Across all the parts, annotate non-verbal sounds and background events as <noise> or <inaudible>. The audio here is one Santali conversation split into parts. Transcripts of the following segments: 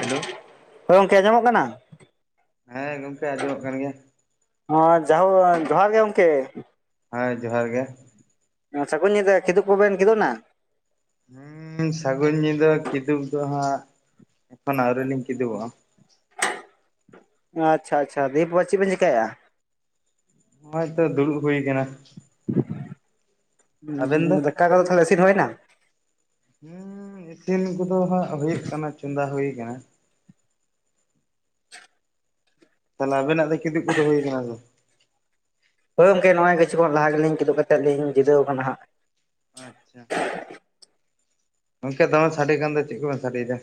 ᱦᱮᱞᱳ ᱦᱳᱭ ᱜᱚᱝᱠᱮ ᱟᱸᱡᱚᱢᱚᱜ ᱠᱟᱱᱟ? ᱦᱮᱸ ᱜᱚᱝᱠᱮ ᱟᱸᱡᱚᱢᱚᱜ ᱠᱟᱱ ᱜᱮᱭᱟ᱾ ᱦᱚᱸ ᱡᱟᱦᱳ ᱡᱚᱦᱟᱨ ᱜᱮ ᱜᱚᱝᱠᱮ ᱦᱮᱸ ᱡᱚᱦᱟᱨ ᱜᱮ ᱥᱟᱹᱜᱩᱱ ᱧᱤᱫᱟᱹ ᱠᱷᱤᱫᱩᱚᱜ ᱠᱚᱵᱮᱱ ᱠᱤᱫᱩᱜ ᱮᱱᱟ? ᱦᱩᱸᱻ ᱥᱟᱹᱜᱩᱱ ᱧᱤᱫᱟᱹ ᱠᱤᱫᱩᱵ ᱫᱚ ᱦᱟᱸᱜ ᱮᱠᱷᱚᱱ ᱟᱹᱣᱨᱤ ᱞᱤᱧ ᱠᱤᱫᱩᱵᱚᱜᱼᱟ᱾ ᱟᱪᱪᱷᱟ ᱟᱪᱪᱷᱟ ᱫᱤᱭᱮ ᱯᱚᱨ ᱪᱮᱫ ᱵᱮᱱ ᱪᱤᱠᱟᱭᱟ? ᱱᱚᱜᱚᱭ ᱛᱚ ᱫᱩᱲᱩᱵᱽ ᱦᱩᱭ ᱠᱟᱱᱟ᱾ ᱟᱵᱮᱱ ᱫᱚ ᱫᱟᱠᱟ ᱠᱚᱫᱟ ᱛᱟᱦᱮᱞᱮ ᱤᱥᱤᱱ ᱦᱚᱭ ᱱᱟ ᱦᱮᱸ ᱤᱥᱤᱱ ᱠᱚᱫᱚ ᱦᱟᱜ ᱦᱩᱭᱩᱜ ᱠᱟᱱᱟ ᱪᱚᱸᱫᱟ ᱦᱩᱭ ᱠᱟᱱᱟ ᱛᱟᱦᱚᱞᱮ ᱟᱵᱮᱱᱟᱜ ᱫᱚ ᱠᱤᱫᱩᱵ ᱠᱚᱫᱚ ᱦᱩᱭ ᱟᱠᱟᱱᱟ ᱥᱮ ᱦᱳᱭ ᱜᱚᱝᱠᱮ ᱱᱚᱜᱼᱚᱭ ᱠᱤᱪᱷᱩ ᱠᱷᱚᱱ ᱞᱟᱦᱟ ᱜᱮᱞᱤᱧ ᱠᱤᱫᱩᱵ ᱠᱟᱛᱮᱫ ᱞᱤᱧ ᱡᱤᱨᱟᱹᱣ ᱟᱠᱟᱱᱟ ᱦᱟᱜ ᱟᱪᱪᱷᱟ ᱜᱚᱝᱠᱮ ᱫᱚᱢᱮ ᱥᱟᱰᱮ ᱠᱟᱱ ᱫᱚ ᱪᱮᱫ ᱠᱚ ᱵᱤᱱ ᱥᱟᱰᱮᱭᱮᱫᱟ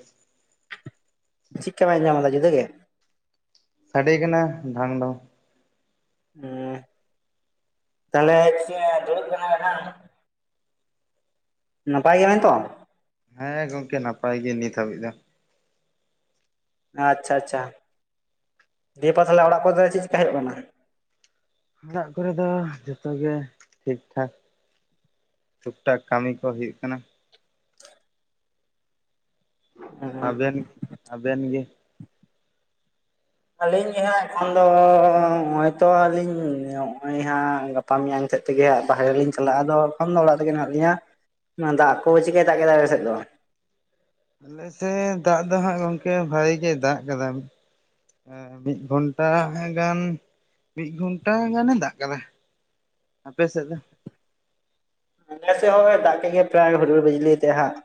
ᱪᱮᱫ ᱠᱟ ᱵᱤᱱ ᱟᱡᱚᱢ ᱮᱫᱟ ᱡᱩᱫᱟᱹ ᱜᱮ ᱥᱟᱰᱮ ᱠᱟᱱᱟ ᱰᱷᱟᱝ ᱰᱷᱚᱝ ᱦ ᱛᱟᱦᱚᱞᱮ ᱫᱩᱲᱩᱵ ᱠᱟᱱᱟ ᱞᱮ ᱦᱟᱸᱜ ᱱᱟᱯᱟᱭ ᱜᱮᱭᱟ ᱵᱤᱱ ᱛᱚ ᱦᱮᱸ ᱜᱚᱝᱠᱮ ᱱᱟᱯᱟᱭ ᱜᱮ ᱱᱤᱛ ᱦᱟᱹᱵᱤᱡ ᱫᱚ ᱟᱪᱪᱷᱟ ᱟᱪᱪᱷᱟ ᱫᱤᱭᱮᱯᱚᱨ ᱛᱟ ᱦᱚᱞᱮ ᱚᱲᱟᱜ ᱠᱚ ᱪᱮᱫ ᱪᱮᱠᱟ ᱦᱩᱭᱩᱜ ᱠᱟᱱᱟ ᱚᱲᱟᱜ ᱠᱚᱨᱮ ᱫᱚ ᱡᱚᱛᱚ ᱜᱮ ᱴᱷᱤᱠ ᱴᱷᱟᱠ ᱴᱩᱠ ᱴᱟᱠ ᱠᱟᱹᱢᱤ ᱠᱚ ᱦᱩᱭᱩᱜ ᱠᱟᱱᱟ ᱟᱵᱮᱱ ᱜᱮ ᱟᱵᱮᱱ ᱜᱮ ᱟᱹᱞᱤᱧ ᱜᱮ ᱦᱟᱸᱜ ᱮᱠᱷᱚᱱ ᱫᱚ ᱦᱚᱭ ᱛᱚ ᱟᱹᱞᱤᱧ ᱱᱚᱜᱼᱚᱭ ᱦᱟᱸᱜ ᱜᱟᱯᱟ ᱜᱟᱯᱟ ᱢᱮᱭᱟᱝ ᱥᱮᱫ ᱛᱮ ᱜᱮ ᱦᱟᱸᱜ ᱵᱟᱨᱦᱮ ᱞᱤᱧ ᱪᱟᱞᱟᱜᱼᱟᱫᱚ ᱮᱠᱷᱚᱱ ᱫᱚ ᱚᱲᱟᱜ ᱨᱮᱜᱮ ᱢᱤᱱᱟᱜ ᱞᱤᱧᱟ ᱚᱱᱟ ᱫᱟᱜ ᱠᱚ ᱪᱤᱠᱟᱭ ᱫᱟᱜ ᱠᱮᱫᱟ ᱟᱯᱮ ᱥᱮᱫ ᱫᱚ? ᱟᱞᱮ ᱥᱮᱫ ᱫᱟᱜ ᱫᱚ ᱦᱟᱸᱜ ᱜᱚᱝᱠᱮ ᱵᱷᱟᱜᱤ ᱜᱮ ᱫᱟᱜ ᱠᱟᱫᱟ ᱢᱤᱫ ᱜᱷᱚᱱᱴᱟ ᱜᱟᱱ ᱢᱤᱫ ᱜᱷᱚᱱᱴᱟ ᱜᱟᱱᱮ ᱫᱟᱜ ᱟᱠᱟᱫᱟ ᱟᱯᱮ ᱥᱮᱫ ᱫᱚ ᱟᱞᱮᱥᱮᱜ ᱦᱳᱭ ᱫᱟᱜ ᱠᱮᱜ ᱜᱮ ᱯᱨᱟᱭ ᱦᱩᱰᱩᱨ ᱵᱤᱡᱞᱤ ᱛᱮ ᱦᱟᱸᱜ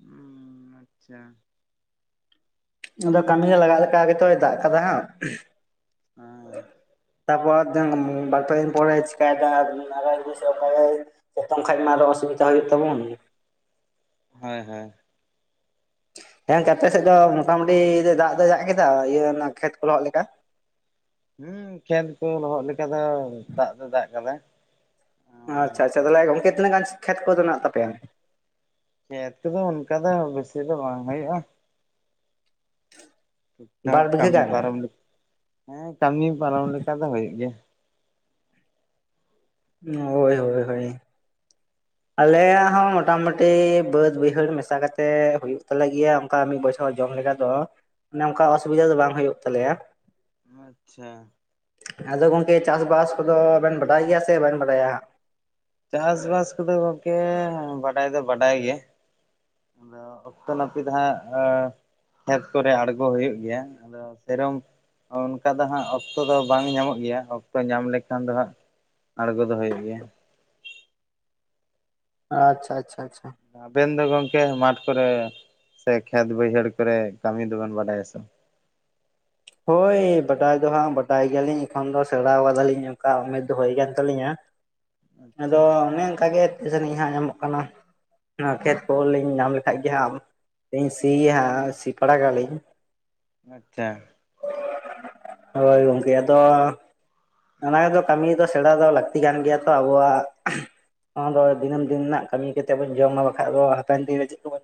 ᱦᱩᱸ ᱟᱪᱪᱷᱟ ᱟᱫᱚ ᱠᱟᱹᱢᱤ ᱨᱮ ᱞᱟᱜᱟᱜ ᱞᱮᱠᱟ ᱜᱮᱛᱚᱭ ᱫᱟᱜ ᱠᱟᱫᱟ ᱦᱟᱸᱜ ᱦᱮᱸ ᱛᱟ ᱯᱚᱨ ᱵᱟᱨ ᱯᱮ ᱫᱤᱱ ᱯᱚᱨᱮ ᱪᱮᱠᱟᱭ ᱫᱟ ᱡᱚᱛᱚᱢ ᱠᱷᱟᱡ ᱢᱟ ᱟᱨᱚ ᱚᱥᱩᱵᱤᱫᱟ ᱦᱩᱭᱩᱜ ᱛᱟᱵᱚᱱ ᱦᱳᱭ ᱦᱳᱭ ᱦᱮᱸ ᱜᱟᱛᱮ ᱥᱮᱫ ᱫᱚ ᱢᱚᱴᱟ ᱢᱩᱴᱤ ᱫᱟᱜ ᱫᱚ ᱫᱟᱜ ᱠᱮᱫᱟ ᱤᱭᱟᱹ ᱚᱱᱟ ᱠᱷᱮᱛ ᱠᱚ ᱞᱚᱦᱚᱫ ᱞᱮᱠᱟ ᱦᱮᱸ ᱠᱷᱮᱛ ᱠᱚ ᱞᱚᱦᱚᱫ ᱞᱮᱠᱟ ᱫᱚ ᱫᱟᱜ ᱫᱚ ᱫᱟᱜ ᱠᱟᱫᱟ ᱟᱨ ᱟᱪᱪᱷᱟ ᱟᱪᱪᱷᱟ ᱛᱟᱦᱚᱞᱮ ᱜᱚᱢᱠᱮ ᱛᱤᱱᱟᱹᱜ ᱜᱟᱱ ᱠᱷᱮᱛ ᱠᱚᱫᱚ ᱢᱮᱱᱟᱜ ᱛᱟᱯᱮᱭᱟ ᱠᱦᱮᱫ ᱠᱚᱫᱚ ᱚᱱᱠᱟ ᱫᱚ ᱵᱮᱥᱤ ᱫᱚ ᱵᱟᱝ ᱦᱩᱭᱩᱜᱼᱟ ᱴᱷᱩᱠ ᱴᱷᱟᱠ ᱵᱟᱨ ᱵᱤᱜᱷᱟᱹ ᱠᱟᱹᱢᱤ ᱜᱟᱱ? ᱯᱟᱨᱚᱢ ᱦᱮᱸ ᱠᱟᱹᱢᱤ ᱯᱟᱨᱚᱢ ᱞᱮᱠᱟ ᱫᱚ ᱦᱩᱭᱩᱜ ᱜᱮᱭᱟ ᱦᱳᱭ ᱦᱳᱭ ᱦᱳᱭ ᱟᱞᱮᱭᱟᱜ ᱦᱚᱸ ᱢᱚᱴᱟ ᱢᱩᱴᱤ ᱵᱟᱹᱫ ᱵᱟᱹᱭᱦᱟᱹᱲ ᱢᱮᱥᱟ ᱠᱟᱛᱮᱫ ᱦᱩᱭᱩᱜ ᱛᱟᱞᱮ ᱜᱮᱭᱟ ᱚᱱᱠᱟ ᱢᱤᱫ ᱵᱚᱪᱷᱚᱨ ᱡᱚᱢ ᱞᱮᱠᱟ ᱫᱚ ᱚᱱᱮ ᱚᱱᱠᱟ ᱚᱥᱩᱵᱤᱫᱷᱟ ᱫᱚ ᱵᱟᱝ ᱦᱩᱭᱩᱜ ᱛᱟᱞᱮᱭᱟ ᱟᱪᱪᱷᱟ ᱟᱫᱚ ᱜᱚᱝᱠᱮ ᱪᱟᱥ ᱵᱟᱥ ᱠᱚᱫᱚᱵᱮᱱ ᱵᱟᱰᱟᱭ ᱜᱮᱭᱟ ᱥᱮ ᱵᱟᱝ ᱵᱟᱰᱟᱭᱟ ᱪᱟᱥ ᱵᱟᱥ ᱠᱚᱫᱚ ᱜᱚᱝᱠᱮ ᱵᱟᱰᱟᱭ ᱫᱚ ᱵᱟᱰᱟᱭ ᱜᱮ ᱚᱠᱛᱚ ᱱᱟᱹᱯᱤᱛ ᱫᱚ ᱦᱟᱸᱜ ᱠᱷᱮᱛ ᱠᱚᱨᱮ ᱟᱲᱜᱚ ᱦᱩᱭᱩᱜ ᱜᱮᱭᱟ ᱥᱮᱨᱚᱢ ᱚᱱᱠᱟ ᱫᱚ ᱦᱟᱸᱜ ᱚᱠᱛᱚ ᱫᱚ ᱵᱟᱝ ᱧᱟᱢᱚᱜ ᱜᱮᱭᱟ ᱚᱠᱛᱚ ᱧᱟᱢ ᱞᱮᱠᱷᱟᱱ ᱫᱚ ᱦᱟᱸᱜ ᱟᱲᱜᱚ ᱫᱚ ᱦᱳᱭᱳᱜ ᱜᱮᱭᱟ ᱟᱹ ᱟᱪᱪᱷᱟ ᱟᱪᱪᱷᱟ ᱟᱪᱪᱷᱟ ᱟᱵᱮᱱ ᱫᱚ ᱜᱚᱝᱠᱮ ᱢᱟᱴᱷ ᱠᱚᱨᱮ ᱥᱮ ᱠᱷᱮᱛ ᱵᱟᱹᱭᱦᱟᱹᱲ ᱠᱚᱨᱮ ᱠᱟᱹᱢᱤ ᱫᱚ ᱵᱮᱱ ᱵᱟᱰᱟᱭᱟ ᱥᱮ ᱦᱳᱭ ᱵᱟᱰᱟᱭ ᱫᱚ ᱦᱟᱸᱜ ᱵᱟᱰᱟᱭ ᱜᱮᱭᱟ ᱞᱤᱧ ᱮᱠᱷᱚᱱ ᱫᱚ ᱥᱮᱬᱟ ᱟᱠᱟᱫᱟ ᱞᱤᱧ ᱚᱱᱠᱟ ᱩᱢᱮᱨ ᱫᱚ ᱦᱩᱭ ᱠᱟᱱ ᱛᱟᱹᱞᱤᱧᱟ ᱟᱫᱚ ᱟᱪᱪᱷᱟ ᱚᱱᱮ ᱚᱱᱠᱟᱟ ᱜᱮ ᱛᱤᱥ ᱟᱹᱱᱤᱡ ᱦᱟᱸᱜ ᱧᱟᱢᱚᱜ ᱠᱟᱱᱟ ᱚᱱᱟ ᱠᱷᱮᱛ ᱠᱚᱞᱤᱧ ᱧᱟᱢ ᱞᱮᱠᱷᱟᱡ ᱜᱮ ᱦᱟᱸᱜᱧ ᱥᱤᱭᱟ ᱦᱟᱸᱜ ᱥᱤ ᱯᱟᱲᱟᱜ ᱟᱞᱤᱧ ᱟᱪᱪᱷᱟ ᱦᱳᱭ ᱜᱚᱝᱠᱮ ᱟᱫᱚ ᱚᱱᱟ ᱜᱮᱫᱚ ᱠᱟᱹᱢᱤ ᱫᱚ ᱥᱮᱬᱟ ᱫᱚ ᱞᱟᱹᱠᱛᱤ ᱠᱟᱱ ᱜᱮᱭᱟ ᱛᱚ ᱟᱵᱚᱣᱟᱜ ᱚᱱᱟ ᱫᱚ ᱫᱤᱹᱢ ᱫᱤᱱ ᱨᱮᱱᱟᱜ ᱠᱟᱹᱢᱤ ᱠᱟᱛᱮᱫ ᱵᱚᱱ ᱡᱚᱢᱟ ᱵᱟᱠᱷᱟᱡ ᱫᱚ ᱦᱟᱯᱮᱱ ᱫᱤᱱ ᱨᱮ ᱪᱮᱫᱵᱚᱱ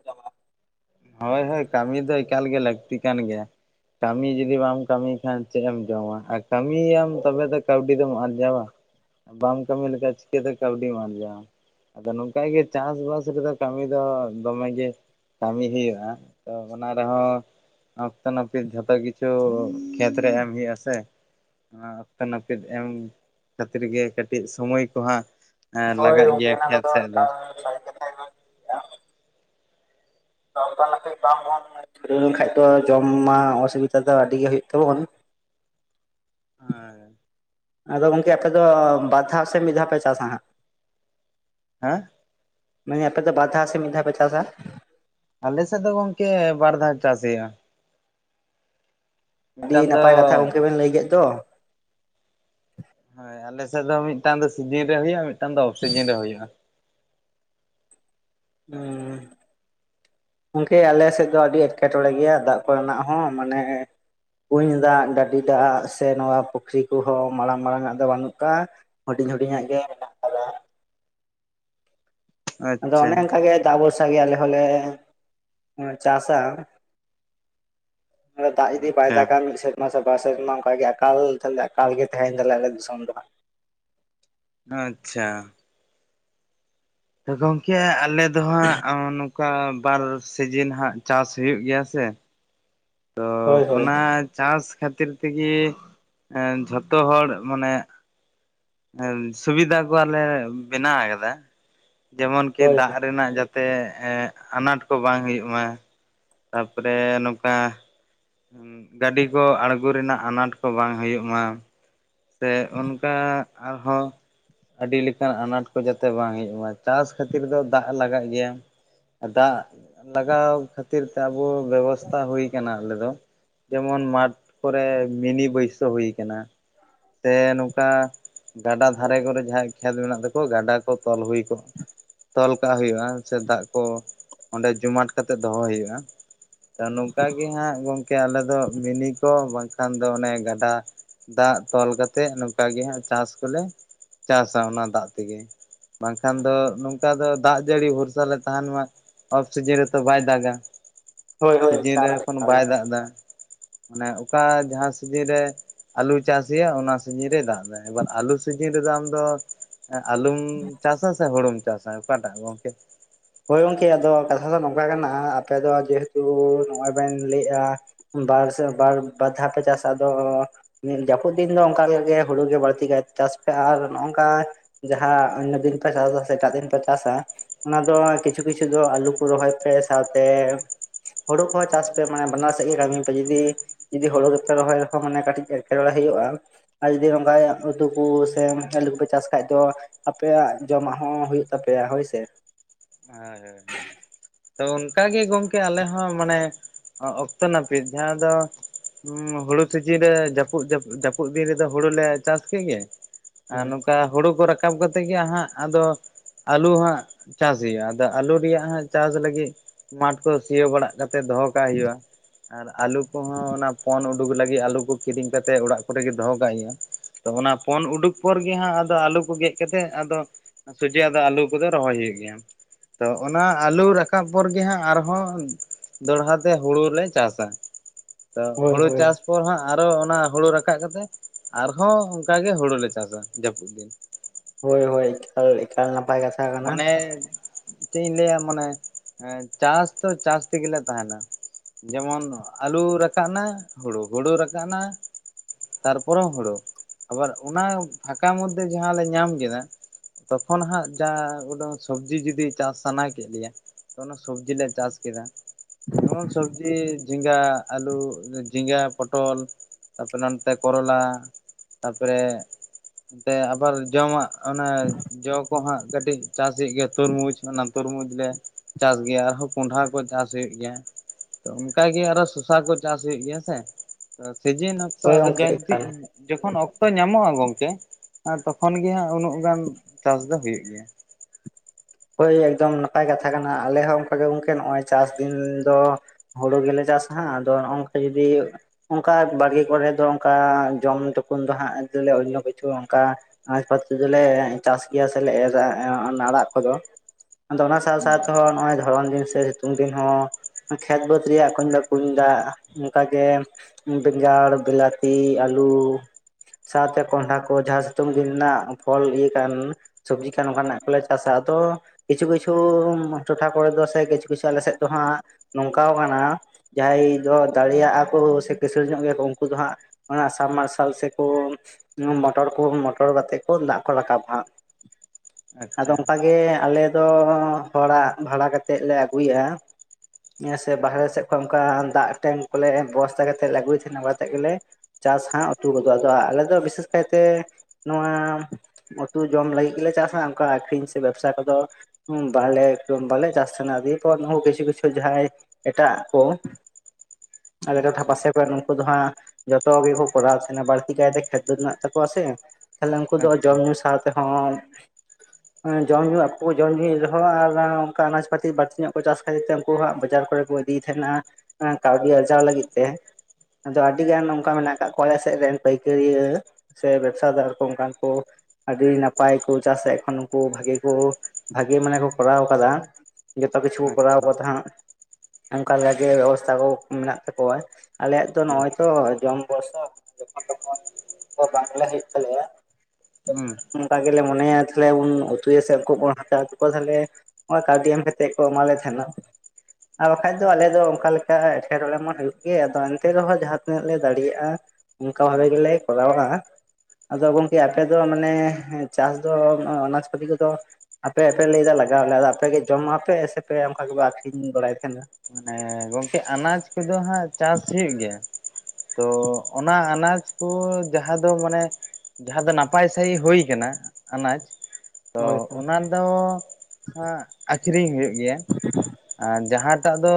ᱦᱳᱭ ᱦᱳᱭ ᱠᱟᱹᱢᱤ ᱫᱚ ᱮᱠᱟᱞ ᱜᱮ ᱞᱟᱹᱠᱛᱤ ᱠᱟᱱ ᱜᱮᱭᱟ ᱠᱟᱹᱢᱤ ᱡᱩᱫᱤ ᱵᱟᱢ ᱠᱟᱹᱢᱤ ᱠᱷᱟᱱ ᱪᱮᱫ ᱮᱢ ᱡᱚᱢᱟ ᱟᱨ ᱠᱟᱹᱢᱤᱭᱟᱢ ᱛᱚᱵᱮ ᱫᱚ ᱠᱟᱹᱣᱰᱤ ᱫᱚᱢ ᱟᱨᱡᱟᱣᱟ ᱵᱟᱢ ᱠᱟᱹᱢᱤ ᱞᱮᱠᱷᱟᱡ ᱪᱤᱠᱟᱹᱛᱮ ᱠᱟᱹᱣᱰᱤ ᱫᱚᱢ ᱟᱨᱡᱟᱣ-ᱟ ᱟᱫᱚ ᱱᱚᱝᱠᱟ ᱜᱮ ᱪᱟᱥ ᱵᱟᱥ ᱨᱮᱫᱚ ᱠᱟᱹᱢᱤ ᱫᱚ ᱫᱚᱢᱮ ᱜᱮ ᱠᱟᱹᱢᱤ ᱦᱩᱭᱩᱜᱼᱟ ᱛᱚ ᱚᱱᱟ ᱨᱮᱦᱚᱸ ᱚᱠᱛᱚ ᱱᱟᱹᱯᱤᱛ ᱡᱷᱚᱛᱚ ᱠᱤᱪᱷᱩ ᱠᱷᱮᱛ ᱨᱮ ᱮᱢ ᱦᱩᱭᱩᱜ-ᱟ ᱥᱮ ᱚᱱᱟ ᱚᱠᱛᱚ ᱱᱟᱹᱯᱤᱛ ᱮᱢ ᱠᱷᱟᱹᱛᱤᱨ ᱜᱮ ᱠᱟᱹᱴᱤᱡ ᱥᱚᱢᱚᱭ ᱠᱚᱦᱟᱸᱜ ᱦᱳᱭ ᱜᱚᱢᱠᱮ ᱚᱱᱟ ᱠᱚᱫᱚ ᱮᱠᱟᱞ ᱥᱟᱨᱤ ᱠᱟᱛᱷᱟ <inaudible> ᱚᱱᱠᱟ ᱞᱮᱠᱷᱟᱡ ᱵᱟᱝ ᱪᱷᱩᱨᱟᱹᱣ ᱞᱮᱱᱠᱷᱟᱡ ᱫᱚ ᱡᱚᱢ ᱢᱟ ᱚᱥᱩᱵᱤᱫᱟ ᱫᱚ ᱟᱹᱰᱤ ᱜᱮ ᱦᱩᱭᱩᱜ ᱛᱟᱵᱚᱱ ᱦᱟᱹᱭ ᱟᱫᱚ ᱜᱚᱢᱠᱮ ᱟᱯᱮ ᱫᱚ ᱵᱟᱨ ᱫᱷᱟᱣ ᱥᱮ ᱢᱤᱫ ᱫᱷᱟᱣ ᱯᱮ ᱪᱟᱥᱟ ᱦᱟᱸᱜ ᱦᱮᱸ ᱢᱮᱱᱫᱟᱹᱧ ᱟᱯᱮ ᱫᱚ ᱵᱟᱫᱷᱟᱣ ᱥᱮ ᱢᱤᱫ ᱫᱷᱟᱣ ᱯᱮ ᱪᱟᱥᱟ ᱟᱞᱮ ᱥᱮᱫ ᱫᱚ ᱜᱚᱢᱠᱮ ᱵᱟᱨ ᱫᱷᱟᱣ ᱪᱟᱥ ᱦᱩᱭᱩᱜ-ᱟ ᱟᱹᱰᱤ ᱢᱤᱫᱴᱟᱝ ᱫᱚ ᱱᱟᱯᱟᱭ ᱠᱟᱛᱷᱟ ᱜᱚᱢᱠᱮ ᱵᱮᱱ ᱞᱟᱹᱭ ᱠᱮᱫ ᱫᱚ ᱦᱳᱭ ᱟᱞᱮᱥᱮᱫ ᱫᱚ ᱢᱤᱫᱴᱟᱝ ᱫᱚ ᱥᱤᱡᱤᱱ ᱨᱮ ᱦᱩᱭᱩᱜ-ᱟ ᱢᱤᱫᱴᱟᱝ ᱫᱚ ᱚᱯᱷ ᱥᱤᱡᱤᱱ ᱨᱮ ᱦᱩᱭᱩᱜ-ᱟ ᱦᱚᱸ ᱜᱚᱝᱠᱮ ᱟᱞᱮᱥᱮᱫ ᱫᱚ ᱟᱹᱰᱤ ᱮᱸᱴᱠᱮᱴᱚᱲᱮ ᱜᱮᱭᱟ ᱫᱟᱜ ᱠᱚᱨᱮᱱᱟᱜ ᱦᱚᱸ ᱢᱟᱱᱮ ᱠᱩᱧ ᱫᱟᱜ ᱰᱟᱹᱰᱤ ᱫᱟᱜ ᱥᱮ ᱱᱚᱣᱟ ᱯᱩᱠᱷᱨᱤ ᱠᱚᱦᱚᱸ ᱢᱟᱲᱟᱝ ᱢᱟᱨᱟᱲᱟᱝ ᱟᱜ ᱫᱚ ᱵᱟᱹᱱᱩᱜ ᱠᱟᱟᱜᱼᱟ ᱦᱩᱰᱤᱧ ᱦᱩᱰᱤᱧᱼᱟᱜ ᱜᱮ ᱢᱮᱱᱟᱜ ᱟᱫᱚ ᱟᱪᱪᱷᱟ ᱚᱱᱮ ᱚᱱᱠᱟ ᱜᱮ ᱫᱟᱜ ᱵᱷᱚᱨᱥᱟ ᱜᱮ ᱟᱞᱮ ᱦᱚᱸᱞᱮ ᱪᱟᱥᱟ ᱫᱟᱜ ᱡᱩᱫᱤ ᱵᱟᱭ ᱟᱪᱪᱷᱟ ᱫᱟᱜ ᱜᱟ ᱢᱤᱫ ᱥ ᱚᱱᱟ ᱜᱮ ᱵᱟᱨ ᱥᱮᱨᱢᱟ ᱚᱱᱠᱟᱜᱮ ᱟᱠᱟᱞ ᱛᱟᱦᱞᱮ ᱮᱠᱟᱞ ᱜᱮ ᱛᱟᱦᱮᱭᱮᱱ ᱛᱟᱞᱮᱭᱟ ᱟᱞᱮ ᱫᱤᱥᱚᱢ ᱫᱚ ᱦᱟᱸᱜ ᱱᱚᱪᱪᱷᱟ ᱛᱚ ᱜᱚᱢᱠᱮ ᱟᱞᱮ ᱫᱚ ᱦᱟᱸᱜ ᱚᱱᱚᱝ ᱚᱱᱠᱟ ᱵᱟᱨ ᱥᱤᱡᱤᱱ ᱦᱟᱸᱜ ᱪᱟᱥ ᱦᱩᱭᱩᱜ ᱜᱮᱭᱟ ᱥᱮ ᱛᱚ ᱦᱳᱭ ᱦᱳᱭ ᱚᱱᱟ ᱪᱟᱥ ᱠᱷᱟᱹᱛᱤᱨ ᱛᱮᱜᱮ ᱡᱷᱚᱛᱚ ᱦᱚᱲ ᱢᱟᱱᱮ ᱥᱩᱵᱤᱫᱷᱟ ᱠᱚ ᱟᱞᱮ ᱵᱮᱱᱟᱣ ᱟᱠᱟᱫᱟ ᱡᱮᱢᱚᱱᱠᱤ ᱦᱳᱭ ᱫᱟᱜ ᱨᱮᱱᱟᱜ ᱡᱟᱛ ᱛᱮ ᱮᱜ ᱟᱱᱟᱴ ᱠᱚ ᱵᱟᱝ ᱦᱩᱭᱩᱜ ᱢᱟ ᱛᱟᱯᱚᱨᱮ ᱱᱚᱝᱠᱟ ᱜᱟᱹᱰᱤ ᱠᱚ ᱟᱬᱜᱚ ᱨᱮᱱᱟᱜ ᱟᱱᱟᱴ ᱠᱚ ᱵᱟᱝ ᱦᱩᱭᱩᱜ ᱢᱟ ᱥᱮ ᱚᱱᱠᱟ ᱟᱨᱦᱚᱸ ᱟᱹᱰᱤ ᱞᱮᱠᱟᱱ ᱟᱱᱟᱴ ᱠᱚ ᱡᱟᱛᱮ ᱵᱟᱝ ᱦᱩᱭᱩᱜ ᱢᱟ᱾ ᱪᱟᱥ ᱠᱷᱟᱹᱛᱤᱨ ᱫᱚ ᱫᱟᱜ ᱞᱟᱜᱟᱜ ᱜᱮᱭᱟ᱾ ᱫᱟᱜ ᱞᱟᱜᱟᱣ ᱠᱷᱟᱹᱛᱤᱨ ᱛᱮ ᱟᱵᱚ ᱵᱮᱵᱚᱥᱛᱷᱟ ᱦᱩᱭ ᱠᱟᱱᱟ ᱟᱞᱮ ᱫᱚ᱾ ᱡᱮᱢᱚᱱ ᱢᱟᱴᱷ ᱠᱚᱨᱮ ᱢᱤᱱᱤ ᱵᱟᱹᱭᱥᱟᱹᱣ ᱦᱩᱭ ᱟᱠᱟᱱᱟ᱾ ᱥᱮ ᱱᱚᱝᱠᱟ ᱜᱟᱰᱟ ᱫᱷᱟᱨᱮ ᱠᱚᱨᱮ ᱡᱟᱦᱟᱸ ᱠᱷᱮᱛ ᱢᱮᱱᱟᱜ ᱛᱟᱠᱚᱣᱟ ᱜᱟᱰᱟ ᱠᱚ ᱛᱚᱞ ᱦᱩᱭ ᱠᱚᱜᱼᱟ᱾ ᱛᱚᱞ ᱠᱟᱜ ᱦᱩᱭᱩᱜᱼᱟ ᱥᱮ ᱫᱟᱜ ᱠᱚ ᱚᱸᱰᱮ ᱡᱚᱢᱟᱴ ᱠᱟᱛᱮ ᱫᱚᱦᱚ ᱦᱩᱭᱩᱜᱼᱟ᱾ ᱛᱚ ᱱᱚᱝᱠᱟ ᱜᱮ ᱦᱟᱸᱜ ᱜᱚᱝᱠᱮ ᱟᱞᱮ ᱫᱚ ᱢᱤᱱᱤ ᱠᱚ ᱵᱟᱝᱠᱷᱟᱱ ᱫᱚ ᱚᱱᱮ ᱜᱟᱰᱟ ᱫᱟᱜ ᱛᱚᱞ ᱠᱟᱛᱮᱫ ᱱᱚᱝᱠᱟ ᱜᱮ ᱦᱟᱸᱜ ᱪᱟᱥ ᱠᱚᱞᱮ ᱪᱟᱥᱟ ᱚᱱᱟ ᱫᱟᱜ ᱛᱮᱜᱮ᱾ ᱵᱟᱝᱠᱷᱟᱱ ᱫᱚ ᱱᱚᱝᱠᱟ ᱫᱚ ᱫᱟᱜ ᱡᱟᱹᱲᱤ ᱵᱷᱚᱨᱥᱟ ᱞᱮ ᱛᱟᱦᱮᱱ ᱢᱟ᱾ ᱚᱯᱷ ᱥᱤᱡᱤᱱ ᱨᱮᱛᱚ ᱵᱟᱭ ᱫᱟᱜ-ᱟ᱾ ᱦᱳᱭ ᱦᱳᱭ ᱥᱤᱡᱤᱱ ᱨᱮ ᱮᱠᱟᱞ ᱮᱠᱷᱚᱱ ᱮᱠᱟᱞ ᱵᱟᱭ ᱫᱟᱜ ᱮᱫᱟ᱾ ᱢᱟᱱᱮ ᱚᱠᱟ ᱡᱟᱦᱟᱸ ᱥᱤᱡᱤᱱ ᱨᱮ ᱟᱹᱞᱩ ᱪᱟᱥ ᱦᱩᱭᱩᱜ-ᱟ ᱚᱱᱟ ᱥᱤᱡᱤᱱ ᱨᱮ ᱫᱟᱜ᱾ ᱮᱵᱟᱨ ᱟᱹᱞᱩ ᱥᱤᱡᱤᱱ ᱨᱮᱫᱚ ᱟᱢ ᱫᱚ ᱟᱹᱞᱩᱚᱢ ᱪᱟᱥᱟ ᱥᱮ ᱦᱩᱲᱩᱢ ᱪᱟᱥᱟ ᱚᱠᱟᱴᱟᱜ ᱜᱚᱝᱠᱮ? ᱦᱳᱭ ᱜᱚᱝᱠᱮ ᱟᱫᱚ ᱠᱟᱛᱷᱟ ᱫᱚ ᱱᱚᱝᱠᱟ ᱠᱟᱱᱟ ᱟᱯᱮ ᱫᱚ ᱡᱮᱦᱮᱛᱩ ᱱᱚᱜᱼᱚᱭ ᱵᱮᱱ ᱞᱟᱹᱭᱮᱜᱼᱟ ᱵᱟᱨ ᱥᱮ ᱵᱟᱨ, ᱵᱟᱨ ᱫᱷᱟᱣ ᱛᱮ ᱪᱟᱥᱟᱜ ᱟᱫᱚ ᱡᱟᱹᱯᱩᱫ ᱫᱤᱱ ᱫᱚ ᱚᱱᱠᱟ ᱜᱮ ᱦᱩᱲᱩ ᱜᱮ ᱵᱟᱹᱲᱛᱤ ᱠᱟᱭᱛᱮ ᱪᱟᱥ ᱯᱮ ᱟᱨ ᱱᱚᱜᱼ ᱱᱚᱝᱠᱟ ᱡᱟᱦᱟᱸ ᱟᱱᱱᱭᱟ ᱫᱤᱱ ᱯᱮ ᱪᱟᱥᱟ ᱥᱮ ᱮᱴᱟᱜ ᱫᱤᱱ ᱯᱮ ᱪᱟᱥᱟ <unintelligible> ᱠᱤᱪᱷᱩ ᱠᱤᱪᱷᱩ ᱫᱚ ᱟᱹᱞᱩ ᱠᱚ ᱨᱚᱦᱚᱭ ᱯᱮ ᱥᱟᱶᱛᱮ ᱦᱩᱲᱩ ᱠᱚᱦᱚᱸ ᱪᱟᱥ ᱯᱮ ᱢᱟᱱᱮ ᱵᱟᱱᱟᱨ ᱥᱮᱫ ᱜᱮ ᱠᱟᱹᱢᱤ ᱯᱮ ᱡᱩᱫᱤ ᱡᱩᱫᱤ ᱦᱩᱲᱩ ᱜᱮᱯᱮ ᱨᱚᱦᱚᱭ ᱨᱮᱦᱚᱸ ᱢᱟᱱᱮ ᱠᱟᱹᱴᱤᱡ ᱮᱴᱠᱮᱴᱲᱬᱮ ᱦᱩᱭᱩᱜᱼᱟ᱾ ᱟᱨ ᱡᱩᱫᱤ ᱚᱝᱠᱟᱭᱟᱜ ᱩᱛᱩ ᱠᱚ ᱥᱮ ᱟᱹᱞᱩ ᱠᱚᱯᱮ ᱪᱟᱥ ᱠᱷᱟᱡ ᱫᱚ ᱟᱯᱮᱭᱟᱜ ᱡᱚᱢᱟᱜ ᱦᱚᱸ ᱦᱩᱭᱩᱜ ᱛᱟᱯᱮᱭᱟ ᱦᱳᱭ ᱥᱮ᱾ <unintelligible> ᱛᱚ ᱚᱱᱠᱟ ᱜᱮ ᱜᱚᱝᱠᱮ ᱟᱞᱮ ᱦᱚᱸ ᱢᱟᱱᱮ ᱚᱠᱛᱚ ᱱᱟᱹᱯᱤᱛ ᱡᱟᱦᱟᱸ ᱫᱚ ᱦᱩᱸ ᱦᱩᱲᱩ ᱥᱤᱡᱮᱱ ᱨᱮ ᱡᱟᱹᱯᱩᱫ ᱡᱟᱹᱯᱩᱫ ᱡᱟᱹᱯᱩᱫ ᱫᱤᱱ ᱨᱮᱫᱚ ᱦᱩᱲᱩ ᱞᱮ ᱪᱟᱥ ᱠᱤ ᱜᱮ᱾ ᱟᱨ ᱱᱚᱝᱠᱟ ᱦᱩᱲᱩ ᱠᱚ ᱨᱟᱠᱟᱵ ᱠᱟᱛᱮᱫ ᱜᱮ ᱦᱟᱸᱜ ᱟᱫᱚ ᱟᱹᱞᱩ ᱦᱟᱸᱜ ᱪᱟᱥ ᱦᱩᱭᱩᱜᱼᱟ ᱟᱫᱚ ᱟᱹᱞᱩ ᱨᱮᱭᱟᱜ ᱦᱟᱸᱜ ᱪᱟᱥ ᱞᱟᱹᱜᱤᱫ ᱢᱟᱴᱷ ᱠᱚ ᱥᱤᱭᱳ ᱵᱟᱲᱟᱜ ᱠᱟᱛ ᱛᱮ ᱫᱚᱦᱚ ᱠᱟᱜ ᱦᱩᱭᱩᱜᱼᱟ ᱟᱨ ᱟᱹᱞᱩ ᱠᱚᱦᱚᱸ ᱚᱱᱟ ᱯᱚᱱ ᱩᱰᱩᱠ ᱞᱟᱹᱜᱤᱫ ᱟᱹᱞᱩ ᱠᱚ ᱠᱤᱨᱤᱧ ᱠᱟᱛᱮᱫ ᱚᱲᱟᱜ ᱠᱚᱨᱮ ᱜᱮ ᱫᱚᱦᱚ ᱠᱟᱜ ᱦᱢᱭᱩᱜ-ᱟ᱾ ᱛᱚ ᱚᱱᱟ ᱯᱚᱱ ᱩᱰᱩᱠ ᱯᱚᱨ ᱜᱮ ᱦᱟᱸᱜ ᱟᱫᱚ ᱟᱹᱞᱩ ᱠᱚ ᱜᱮᱫ ᱠᱟᱛᱮᱜ ᱟᱫᱚ ᱥᱚᱡᱷᱮ ᱫᱚ ᱟᱹᱞᱩ ᱠᱚᱫᱚ ᱨᱚᱦᱚᱭ ᱦᱩᱭᱩᱜ ᱜᱮᱭᱟ᱾ ᱛᱚ ᱚᱱᱟ ᱟᱹᱞᱩ ᱨᱟᱠᱟᱵ ᱯᱚᱨ ᱜᱮ ᱦᱟᱸᱜ ᱟᱨᱦᱚᱸ ᱫᱚᱦᱲᱟ ᱛᱮ ᱦᱩᱲᱩᱞᱮ ᱪᱟᱥᱟ᱾ ᱛᱚ ᱦᱳᱭ ᱦᱩᱲᱩ ᱦᱳᱭ ᱪᱟᱥ ᱯᱚᱨ ᱦᱟᱸᱜ ᱟᱨᱦᱚᱸ ᱚᱱᱟ ᱦᱩᱲᱩ ᱨᱟᱠᱟᱵ ᱠᱟᱛᱮ ᱟᱨᱦᱚᱸ ᱚᱱᱠᱟ ᱜᱮ ᱦᱩᱲᱩ ᱞᱮ ᱪᱟᱥᱟ ᱡᱟᱹᱯᱩᱫ ᱫᱤᱱ᱾ ᱦᱳᱭ ᱦᱳᱭ᱾ ᱮᱠᱟᱞ ᱮᱠᱟᱞ ᱱᱟᱯᱟᱭ ᱠᱟᱛᱷ ᱚᱱᱮ ᱪᱮᱫ ᱤᱧ ᱞᱟᱹᱭᱟ ᱢᱟᱱᱮ ᱮᱸ ᱪᱟᱥ ᱫᱚ ᱪᱟᱥ ᱛᱮᱜᱮ ᱞᱮ ᱛᱟᱦᱮᱱᱟ᱾ ᱡᱮᱢᱚᱱ ᱟᱹᱞᱩ ᱨᱟᱠᱟᱵ ᱱᱟ ᱦᱩᱲᱩ ᱦᱩᱲᱩ ᱨᱟᱠᱟᱵ ᱱᱟ ᱛᱟᱨ ᱯᱚᱨᱮ ᱦᱚᱸ ᱦᱩᱲᱩ ᱟᱵᱟᱨ ᱚᱱᱟ ᱯᱷᱟᱠᱟ ᱢᱚᱫᱽᱫᱷᱮ ᱡᱟᱦᱟᱸᱞᱮ ᱧᱟᱢ ᱠᱮᱫᱟ ᱛᱚᱠᱷᱚᱱ ᱦᱟᱸᱜ ᱡᱟᱦᱟᱸ ᱩᱰᱟᱹᱝ ᱥᱚᱵᱡᱤ ᱡᱩᱫᱤ ᱪᱟᱥ ᱥᱟᱱᱟ ᱠᱮᱫ ᱞᱮᱭᱟ, ᱛᱚ ᱚᱱᱟ ᱥᱚᱵᱡᱤ ᱞᱮ ᱪᱟᱥ ᱠᱮᱫᱟ᱾ ᱡᱮᱢᱚᱱ ᱥᱚᱵᱡᱤ ᱡᱷᱤᱸᱜᱟ ᱟᱹᱞᱩ, ᱡᱷᱤᱸᱜᱟ ᱯᱚᱴᱚᱞ ᱛᱟᱨᱯᱚᱨᱮ ᱱᱚᱱᱛᱮ ᱠᱚᱨᱚᱞᱟ ᱛᱟᱨᱯᱚᱨᱮ ᱮᱱᱛᱮ ᱟᱵᱟᱨ ᱡᱚᱢᱟᱜ ᱚᱱᱟ ᱡᱚ ᱠᱚᱦᱟᱸᱜ ᱠᱟᱹᱴᱤᱡ ᱪᱟᱥᱮᱫ ᱜᱮᱭᱟ ᱛᱚᱨᱢᱩᱡᱽ ᱚᱱᱟ ᱛᱚᱨᱢᱩᱡᱽ ᱞᱮ ᱪᱟᱥ ᱜᱮᱭᱟ ᱟᱨᱦᱚᱸ ᱠᱚᱸᱰᱷᱟ ᱠᱚ ᱪᱟᱥ ᱦᱩᱭᱩᱜ ᱜᱮᱭᱟ᱾ ᱛᱚ ᱚᱱᱠᱟᱜᱮ ᱟᱨᱚ ᱥᱚᱥᱟ ᱠᱚ ᱪᱟᱥ ᱦᱩᱭᱩᱜ ᱜᱮᱭᱟ ᱥᱮ᱾ ᱟ ᱥᱤᱡᱮᱱ ᱦᱚᱸᱛᱚ ᱦᱳᱭ ᱟᱫᱚ ᱜᱚᱝᱠᱮ ᱡᱟᱹᱱᱛᱤᱜ ᱮᱠᱟᱞ ᱡᱚᱠᱷᱚᱱ ᱚᱠᱛᱚ ᱧᱟᱢᱚᱜᱼᱟ ᱜᱚᱝᱠᱮ ᱟ ᱛᱚᱠᱷᱚᱱ ᱜᱮ ᱦᱟᱸᱜ ᱩᱱᱩᱜ ᱜᱟᱱ ᱪᱟᱥ ᱫᱚ ᱦᱩᱭᱩ ᱜᱮᱭᱟ᱾ ᱦᱳᱭ ᱮᱠᱫᱚᱢ ᱱᱟᱯᱟᱭ ᱠᱟᱛᱷᱟ ᱠᱟᱱᱟ ᱟᱞᱮ ᱦᱚᱸ ᱚᱱᱠᱟᱜᱮ ᱜᱚᱝᱠᱮ ᱱᱚᱜᱼᱚᱭ ᱪᱟᱥ ᱫᱤᱱ ᱫᱚ ᱦᱩᱲᱩ ᱜᱮᱞᱮ ᱪᱟᱥᱟ ᱦᱟᱸᱜ ᱟᱫᱚ ᱱᱚᱜ ᱱᱚᱝᱠᱟ ᱡᱩᱫᱤ ᱚᱱᱠᱟ ᱵᱟᱲᱜᱮ ᱠᱚᱨᱮ ᱫᱚ ᱚᱱᱠᱟ ᱡᱚᱢ ᱴᱩᱠᱩᱱ ᱫᱚ ᱦᱟᱸᱜᱮ ᱟᱹᱜᱮᱞᱮ ᱳᱱᱳ ᱠᱤᱪᱷᱩ ᱚᱱᱠᱟ ᱟᱹᱭᱯᱟᱥ ᱠᱟᱨᱮ ᱞᱮ ᱪᱟᱥ ᱜᱮᱭᱟ ᱥᱮᱞᱮ ᱮᱨᱟ ᱚᱱᱟ ᱟᱲᱟᱜ ᱠᱚᱫᱚ ᱟᱫᱚ ᱚᱱᱟ ᱥᱟᱶ ᱥᱟᱶᱛᱮᱦᱚᱸ ᱱᱚᱜᱼᱚᱭ ᱫᱷᱚᱨᱚᱱ ᱫᱤᱱ ᱥᱮ ᱥᱤᱛᱩᱝ ᱫᱤᱱ ᱦᱚᱸ ᱠᱷᱮᱛ ᱵᱟᱹᱫᱽ ᱨᱮᱭᱟᱜ ᱠᱚᱧ ᱫᱟᱜᱠᱚ ᱧᱩᱭ ᱫᱟ ᱵᱮᱸᱜᱟᱲ ᱵᱤᱞᱟᱛᱤ ᱟᱞᱩ ᱥᱟᱶᱛᱮ ᱠᱚᱸᱰᱷᱟ ᱠᱚ ᱡᱟᱦᱟᱸ ᱥᱤᱛᱩᱝ ᱫᱤᱱ ᱨᱮᱱᱟᱜ ᱯᱷᱚᱞ ᱤᱭᱟᱹ ᱠᱟᱱ ᱥᱚᱵᱽᱡᱤ ᱠᱟᱱ ᱚᱱᱠᱟᱱᱟᱜ ᱠᱚᱞᱮ ᱪᱟᱥᱟ ᱟᱫᱚ ᱠᱤᱪᱷᱩ ᱠᱤᱪᱷᱩ ᱴᱚᱴᱷᱟ ᱠᱚᱨᱮ ᱫᱚ ᱥᱮ ᱠᱤᱪᱷᱩ ᱠᱤᱪᱷᱩ ᱟᱞᱮ ᱥᱮᱫ ᱫᱚ ᱦᱟᱜ ᱱᱚᱝᱠᱟᱣ ᱠᱟᱱᱟ ᱡᱟᱦᱟᱸᱭ ᱫᱚ ᱫᱟᱲᱮᱭᱟᱜᱼᱟ ᱠᱚ ᱥᱮ ᱠᱤᱥᱟᱹᱲ ᱧᱚᱜ ᱜᱮᱭᱟᱠᱚ ᱩᱱᱠᱩ ᱫᱚ ᱦᱟᱸᱜ ᱚᱱᱟᱥᱟᱢ ᱟᱨᱥᱟᱞ ᱥᱮᱠᱚ ᱧᱩ ᱢᱟᱛᱟᱲ ᱠᱚᱦᱚᱸ ᱢᱚᱛᱟᱲ ᱠᱟᱛᱮᱜ ᱠᱚ ᱫᱟᱜ ᱠᱚ ᱨᱟᱠᱟᱵᱟ ᱟᱫᱚ ᱟᱪᱪᱷᱟ ᱚᱱᱠᱟ ᱜᱮ ᱟᱞᱮ ᱫᱚ ᱦᱚᱲᱟᱜ ᱵᱷᱟᱲᱟ ᱠᱟᱛᱮᱫ ᱞᱮ ᱟᱹᱜᱩᱭᱟ ᱥᱮ ᱵᱟᱦᱨᱮ ᱟᱪᱪᱷᱟ ᱥᱮᱫ ᱠᱷᱚᱱ ᱚᱱᱠᱟ ᱫᱟᱜ ᱴᱮᱝᱠ ᱠᱚᱞᱮ ᱵᱮᱵᱚᱥᱛᱟ ᱠᱟᱛᱮᱫ ᱞᱮ ᱟᱹᱜᱩᱭ ᱛᱟᱦᱮᱱᱟ ᱱᱚᱸᱠᱟ ᱠᱟᱛᱮᱫ ᱜᱮᱞᱮ ᱪᱟᱥ ᱦᱟᱸᱜ ᱩᱛᱩ ᱜᱟᱫᱚᱟ ᱟᱫᱚ ᱟᱞᱮ ᱫᱚ ᱵᱤᱥᱮᱥ ᱠᱟᱭᱛᱮ ᱱᱚᱣᱟ ᱩᱛᱩ ᱡᱚᱢ ᱞᱟᱹᱜᱤᱫ ᱜᱮᱞᱮ ᱪᱟᱥᱟ ᱚᱱᱠᱟ ᱟᱠᱷᱨᱤᱧ ᱥᱮ ᱵᱮᱵᱥᱟ ᱠᱚ ᱫᱚ ᱵᱟᱞᱮ ᱵᱟᱞᱮ ᱪᱟᱥ ᱫᱤᱯᱚᱨ ᱱᱚᱣᱟ ᱠᱤᱪᱩ ᱠᱤᱪᱩ ᱡᱟᱦᱟᱭ ᱮᱴᱟᱜ ᱠᱚ ᱟᱞᱮ ᱴᱚᱴᱷᱟ ᱟᱪᱪᱷᱟ ᱯᱟᱥᱮ ᱠᱷᱚᱱ ᱩᱱᱠᱩ ᱫᱚ ᱦᱟᱸᱜ ᱡᱚᱛᱚ ᱜᱮᱠᱚ ᱠᱚᱨᱟᱣ ᱛᱟᱦᱮᱱᱟ ᱵᱟᱹᱲᱛᱤ ᱠᱟᱭᱛᱮ ᱠᱷᱮᱛᱚ ᱨᱮᱱᱟᱜ ᱛᱟᱠᱚᱣᱟ ᱥᱮ ᱛᱟᱦᱞᱮ ᱩᱱᱠᱩ ᱫᱚ ᱟᱪᱪᱷᱟ ᱡᱚᱢ ᱧᱩᱩ ᱥᱟᱶ ᱛᱮᱦᱚᱸ ᱡᱚᱢ ᱧᱩᱣᱟᱜ ᱠᱚ ᱡᱚᱢᱧᱩᱭ ᱨᱮᱦᱚᱸ ᱟᱨ ᱚᱱᱠᱟ ᱟᱱᱟᱡᱽ ᱯᱟᱛᱤ ᱵᱟᱹᱲᱛᱤ ᱧᱚᱜ ᱠᱚ ᱪᱟᱥ ᱠᱷᱟᱹᱛᱤᱨ ᱛᱮ ᱩᱱᱠᱩ ᱦᱟᱸᱜ ᱵᱟᱡᱟᱨ ᱠᱚᱨᱮ ᱠᱚ ᱤᱫᱤᱭᱮᱫ ᱛᱟᱦᱮᱱᱟ ᱦᱮᱸ ᱠᱟᱹᱣᱰᱤ ᱟᱨᱡᱟᱣ ᱞᱟᱹᱜᱤᱫ ᱛᱮ ᱟᱫᱚ ᱟᱹᱰᱤ ᱜᱟᱱ ᱚᱱᱠᱟ ᱢᱮᱱᱟᱜ ᱟᱠᱟᱫ ᱠᱚᱣᱟ ᱟᱞᱮ ᱥᱮᱫ ᱨᱮᱱ ᱯᱟᱹᱭᱠᱟᱹᱨᱤᱭᱟᱹ ᱥᱮ ᱵᱮᱵᱽᱥᱟᱫᱟᱨ ᱠᱚ ᱚᱱᱠᱟᱱ ᱠᱚ ᱟᱹᱰᱤ ᱱᱟᱯᱟᱭ ᱠᱚ ᱪᱟᱥᱟ ᱮᱠᱷᱚᱱ ᱩᱱᱠᱩ ᱵᱷᱟᱜᱤ ᱠᱚ ᱵᱷᱟᱜᱮ ᱢᱟᱱᱮ ᱠᱚ ᱠᱚᱨᱟᱣ ᱠᱟᱫᱟ ᱡᱚᱛᱚ ᱠᱤᱪᱷᱩ ᱠᱚ ᱠᱚᱨᱟᱣ ᱟᱪᱪᱷᱟ ᱟᱠᱟᱫᱟ ᱦᱟᱸᱜ ᱚᱱᱠᱟᱠᱟᱜᱮ ᱟᱜᱮ ᱚᱵᱚᱥᱛᱷᱟ ᱠᱚ ᱢᱮᱱᱟᱜ ᱛᱟᱠᱚᱣᱟ ᱟᱞᱮᱭᱟᱜ ᱫᱚ ᱱᱚᱜᱼᱚᱭ ᱟᱪᱪᱷᱟ ᱛᱚ ᱡᱚᱢ ᱵᱚᱨᱥᱟ <inaudible> ᱚ ᱵᱟᱝᱞᱮ ᱦᱩᱭᱩᱜ ᱛᱟᱞᱮᱭᱟ ᱦᱩᱸ ᱚᱱᱠᱟ ᱞᱟᱜᱮ ᱢᱚᱱᱮᱭ ᱩᱛᱩᱭᱟ ᱥᱮ ᱠᱚ ᱠᱚ ᱛᱟᱦᱚᱞᱮ ᱠᱟᱹᱣᱰᱤ ᱮᱢ ᱠᱟᱛᱮᱫ ᱠᱚ ᱮᱟᱞᱮ ᱛᱟᱦᱮᱸᱱᱚ ᱟᱨ ᱵᱟᱠᱷᱟᱡ ᱫᱚ ᱟᱞᱮ ᱫᱚ ᱚᱱᱠᱟ ᱞᱮᱠᱟ ᱮᱴᱮᱨᱚᱞᱮ ᱢᱟ ᱦᱩᱭᱩᱜ ᱜᱮ ᱟᱫᱚ ᱮᱱᱛᱮ ᱨᱮᱦᱚᱸ ᱡᱟᱦᱟᱸ ᱛᱤᱱᱟᱹᱜ ᱞᱮ ᱫᱟᱲᱮᱭᱟᱜᱼᱟ ᱮᱱᱠᱟ ᱵᱷᱵᱮ ᱦᱩᱸ ᱜᱮᱞᱮ ᱠᱚᱡᱟᱣᱱᱟ ᱟᱫᱚ ᱜᱚᱝᱠᱤ ᱟᱯᱮᱫᱚ ᱢᱟᱱᱮ ᱪᱟᱥ ᱫᱚ ᱟᱱᱟᱡᱽᱯᱟᱹᱛᱤ ᱠᱚᱫᱚ ᱟᱯᱮᱯᱮ ᱞᱟᱹᱭᱮᱫᱟ ᱞᱟᱜᱟᱣ ᱞᱟᱜᱟᱣ ᱟᱯᱮᱜᱮ ᱜᱮ ᱡᱚᱢᱟᱯᱮ ᱥᱮ ᱯᱮ ᱚᱱᱠᱟ ᱜᱮᱯᱮ ᱟᱠᱷᱨᱤᱧ ᱵᱟᱲᱟᱭ ᱛᱟᱦᱮᱱᱟ? ᱢᱟᱱᱮ ᱦᱮᱸ ᱜᱚᱝᱠᱮ ᱟᱱᱟᱡ ᱠᱚᱫᱚ ᱦᱟᱸᱜ ᱪᱟᱥ ᱦᱩᱭᱩᱜ ᱜᱮᱭᱟ ᱛᱚ ᱚᱱᱟ ᱟᱱᱟᱡᱽ ᱠᱚ ᱡᱟᱦᱟᱸ ᱫᱚ ᱢᱟᱱᱮ ᱡᱟᱦᱟᱸ ᱫᱚ ᱱᱟᱯᱟᱭ ᱥᱟᱺᱦᱤᱡ ᱦᱩᱭ ᱟᱠᱟᱱᱟ ᱟᱱᱟᱡ ᱛᱚ ᱦᱳᱭ ᱦᱳᱭ ᱚᱱᱟ ᱫᱚ ᱟᱹᱠᱷᱨᱤᱧ ᱦᱩᱭᱩᱜ ᱜᱮᱭᱟ ᱟᱨ ᱡᱟᱦᱟᱸᱴᱟᱜ ᱫᱚ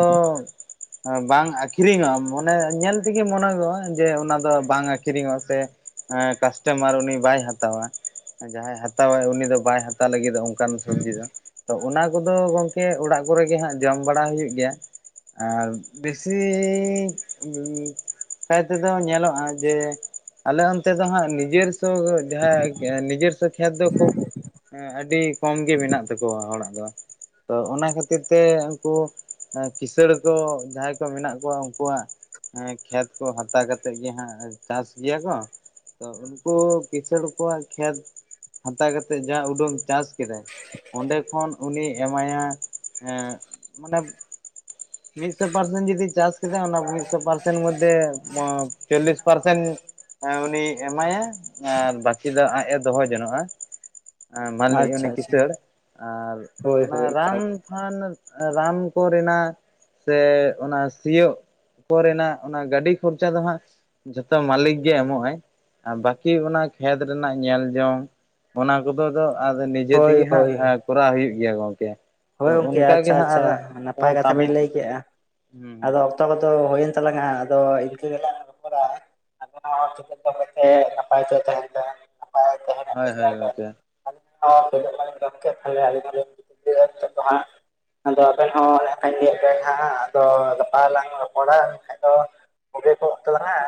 ᱵᱟᱝ ᱟᱠᱷᱨᱤᱧᱚᱜᱼᱟ ᱢᱚᱱᱮ ᱧᱮᱞ ᱛᱮᱜᱮ ᱢᱚᱱᱚᱜᱚᱜᱼᱟ ᱡᱮ ᱚᱱᱟ ᱫᱚ ᱵᱟᱝ ᱟᱠᱷᱨᱤᱧᱚᱜᱼᱟ ᱥᱮ ᱦᱮᱸ ᱠᱟᱥᱴᱚᱢᱟᱨ ᱩᱱᱤ ᱵᱟᱭ ᱦᱟᱛᱟᱣᱟ ᱡᱟᱦᱟᱸᱭ ᱦᱟᱛᱟᱣᱟᱭ ᱩᱱᱤ ᱫᱚ ᱵᱟᱭ ᱦᱟᱛᱟᱣ ᱞᱟᱹᱜᱤᱫᱼᱟ ᱚᱱᱠᱟᱱ ᱥᱚᱵᱡᱤ ᱫᱚ ᱛᱚ ᱚᱱᱟ ᱠᱚᱫᱚ ᱜᱚᱢᱠᱮ ᱚᱲᱟᱜ ᱠᱚᱨᱮ ᱜᱮ ᱦᱟᱸᱜ ᱡᱚᱢ ᱵᱟᱲᱟ ᱦᱩᱭᱩᱜ ᱜᱮᱭᱟ ᱟᱨ ᱵᱮᱥᱤ ᱵᱤᱱ ᱵᱤᱯ ᱠᱟᱭ ᱛᱮᱫᱚ ᱧᱮᱞᱚᱜ ᱟ ᱡᱮ ᱟᱞᱮ ᱚᱱᱛᱮ ᱫᱚ ᱦᱟᱸᱜ ᱱᱤᱡᱮᱨ ᱛᱳ ᱡᱟᱦᱟᱸ ᱱᱤᱨᱥᱚ ᱠᱷᱮᱫᱽ ᱫᱚ ᱠᱷᱩᱵ ᱦᱮᱸ ᱟᱹᱰᱤ ᱠᱚᱢ ᱜᱮ ᱢᱮᱱᱟᱜ ᱛᱟᱠᱚᱣᱟ ᱦᱚᱲᱟᱜ ᱫᱚ ᱛᱚ ᱚᱱᱟ ᱠᱷᱟᱹᱛᱤᱨ ᱛᱮ ᱩᱱᱠᱩ ᱠᱤᱥᱬ ᱠᱚ ᱡᱟᱦᱟᱸᱭ ᱠᱚ ᱢᱮᱱᱟᱜ ᱠᱚᱣᱟ ᱩᱱᱠᱩᱣᱟᱜ ᱦᱮᱸ ᱠᱷᱮᱫᱽ ᱠᱚ ᱦᱟᱛᱟᱣ ᱠᱟᱛᱮᱮᱫ ᱜᱮᱦᱟᱸᱜ ᱪᱟᱥ ᱜᱮᱭᱟ ᱠᱚ ᱛᱚ ᱩᱱᱠᱩ ᱠᱤᱥᱟᱺᱬ ᱠᱚᱣᱟᱜ ᱠᱷᱮᱛ ᱦᱟᱛᱟᱣ ᱠᱟᱛᱮ ᱡᱟ ᱩᱰᱩᱝ ᱪᱟᱥ ᱠᱮᱫᱟᱭ ᱚᱸᱰᱮ ᱠᱷᱚᱱ ᱩᱱᱤ ᱮᱢ ᱢᱟᱭᱟ ᱮ ᱢᱟᱱᱮ ᱢᱤᱫᱥᱚ ᱯᱟᱨᱥᱮᱱ ᱡᱚᱫᱤ ᱪᱟᱥ ᱠᱮᱫᱟ ᱚᱱᱟ ᱢᱤᱫᱥᱚ ᱯᱟᱨᱥᱮᱱ ᱢᱚᱫᱫᱮ ᱪᱚᱞᱞᱤᱥ ᱯᱟᱨᱥᱮᱱ ᱮ ᱩᱱᱤ ᱮᱢᱟᱭᱟ ᱟᱨ ᱵᱟᱹᱠᱤ ᱫᱚ ᱟᱡᱼ ᱮ ᱫᱚᱦᱚ ᱡᱚᱱᱚᱜᱼᱟ᱾ ᱮ ᱢᱟᱞᱤ ᱟᱪᱪᱷᱟ ᱩᱱᱤ ᱟᱪᱪᱷᱟ ᱠᱤᱥᱟᱹᱲ ᱟᱨ ᱦᱳᱭ ᱚᱱᱟ ᱦᱳᱭ ᱨᱟᱱ ᱠᱷᱟᱱ ᱨᱟᱱ ᱠᱚ ᱨᱮᱱᱟᱜ ᱥᱮ ᱚᱱᱟ ᱥᱤᱭᱚᱜ ᱠᱚᱨᱮᱱᱟᱜ ᱚᱱᱟ ᱜᱟᱹᱰᱤ ᱠᱷᱚᱨᱪᱟ ᱫᱚ ᱦᱟᱸᱜ ᱡᱚᱛᱚ ᱢᱟᱹᱞᱤᱠ ᱜᱮ ᱮᱢᱚᱜ ᱟᱭ ᱟᱨ ᱵᱟᱟᱹᱠᱤ ᱚᱱᱟ ᱠᱷᱮᱛ ᱨᱮᱱᱟᱜ ᱧᱮᱞ ᱡᱚᱝ ᱚᱱᱟ ᱠᱚᱫᱚ ᱟᱫᱚ ᱟᱫᱚ ᱱᱤᱡᱮ ᱦᱳᱭ ᱛᱮᱜᱮ ᱦᱳᱭ ᱦᱟᱸᱜ ᱠᱚᱨᱟᱣ ᱦᱩᱭᱩᱜ ᱜᱮᱭᱟ ᱜᱚᱢᱠᱮ ᱦᱳᱭ ᱜᱚᱝᱠᱮ ᱟᱪᱷᱟ ᱟᱪᱷᱟ ᱱᱟᱯᱟᱭ ᱠᱟᱛᱷᱟ ᱵᱮᱱ ᱠᱟᱹᱢᱤᱱ ᱞᱟᱹᱭ ᱠᱮᱫᱼᱟ ᱦᱩᱸ ᱟᱫᱚ ᱚᱠᱛᱚ ᱠᱚ ᱫᱚ ᱦᱳᱭᱮᱱ ᱛᱟᱞᱟᱝᱟ ᱟᱫᱚ ᱤᱱᱠᱟ. ᱜᱮᱞᱟᱝ ᱨᱚᱯᱚᱲᱟ <inaudible> ᱱᱟᱯᱟᱭ ᱛᱮ ᱛᱟᱦᱮᱱ ᱯᱮ ᱱᱟᱯᱟᱭ ᱛᱟᱦᱮᱱ ᱨᱮᱱᱟᱜ ᱦᱳᱭ ᱦᱳᱭ ᱪᱮᱥᱴᱟᱭᱟ ᱯᱮ ᱜᱚᱝᱠᱮ ᱟᱫᱚ ᱠᱷᱟᱱ ᱛᱤᱱᱟ. ᱜ ᱠᱷᱟᱱ ᱜᱚᱢᱠᱮ <inaudible> ᱦᱤᱛᱚᱜ ᱫᱚ ᱦᱟᱜ ᱟᱫᱚ ᱟᱵᱮᱱ ᱦᱚᱸ ᱚᱱᱮ ᱚᱱᱠᱟᱧ ᱞᱟ. ᱭᱟᱫ ᱵᱮᱱ ᱦᱟᱜ ᱟᱫᱚ ᱜᱟᱯᱟ ᱞᱟᱝ ᱨᱚᱯᱚᱲᱟ ᱵᱟᱝᱠᱷᱟᱡ ᱫᱚ <inaudible> ᱛᱟᱞᱟᱝ-ᱟ